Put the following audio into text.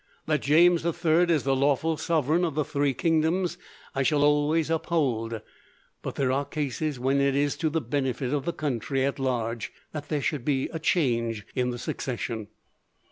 That James the Third is the lawful sovereign of the three kingdoms, I shall always uphold, but there are cases when it is to the benefit of the country, at large, that there should be a change in the succession."